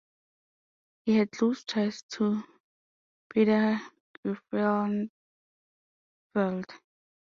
He had close ties to Peder Griffenfeld.